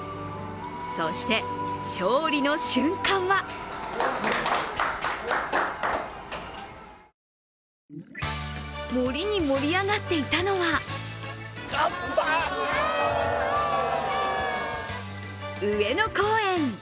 そして、勝利の瞬間は盛りに盛り上がっていたのは上野公園。